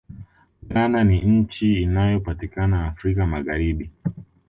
ghana ni nchi inayopatikana afrika magharibi